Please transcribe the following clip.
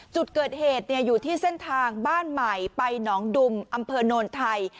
จุดเกิดเหตุอยู่ที่เส้นทางบ้านใหม่ไปหนองดุมอำเภอโนนไทย